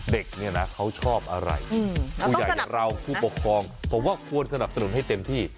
เด็กเนี่ยนะเขาชอบอะไรผู้ใหญ่อย่างเราผู้ปกครองผมว่าควรสนับสนุนให้เต็มที่